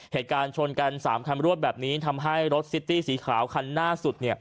เหตุการณ์ชนกัน๓คันรวดแบบนี้ทำให้รถซิตี้สีขาวคันหน้าสุด